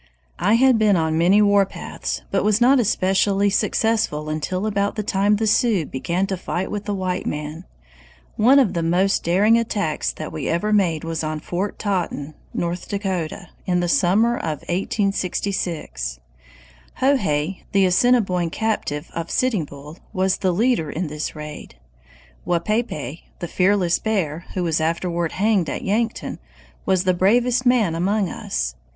"I had been on many warpaths, but was not especially successful until about the time the Sioux began to fight with the white man. One of the most daring attacks that we ever made was at Fort Totten, North Dakota, in the summer of 1866. "Hohay, the Assiniboine captive of Sitting Bull, was the leader in this raid. Wapaypay, the Fearless Bear, who was afterward hanged at Yankton, was the bravest man among us.